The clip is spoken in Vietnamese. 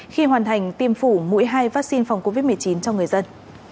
khi hoàn thành tiêm phủ mũi hai vaccine phòng covid một mươi chín cho người dân